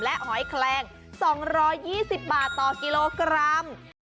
หอยแคลง๒๒๐บาทต่อกิโลกรัม